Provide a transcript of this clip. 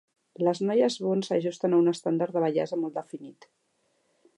Les noies Bond s'ajusten a un estàndard de bellesa molt definit.